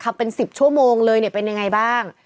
เป็น๑๐ชั่วโมงเลยเนี่ยเป็นยังไงบ้าง